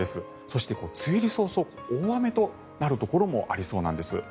そして梅雨入り早々大雨となるところもありそうなんです。